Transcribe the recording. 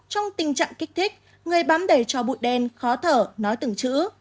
trong tình trạng kích thích người bám đầy cho bụi đen khó thở nói từng chữ